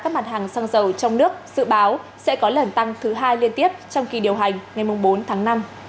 các mặt hàng xăng dầu trong nước dự báo sẽ có lần tăng thứ hai liên tiếp trong kỳ điều hành ngày bốn tháng năm